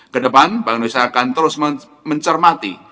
kedepan bank indonesia akan terus mencermati